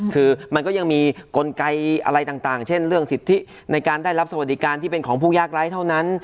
ครูกัไรเช่นเรื่องสิทธิในการได้รับสวัสดิการที่เป็นของผู้ยากไร้เท่านั้น